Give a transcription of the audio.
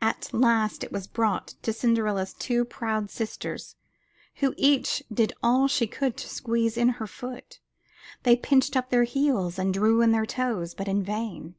At last it was brought to Cinderella's two proud sisters, who each did all she could to squeeze in her foot; they pinched up their heels and drew in their toes, but in vain.